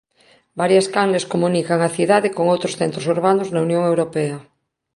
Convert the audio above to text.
Varias canles comunican a cidade con outros centros urbanos na Unión Europea.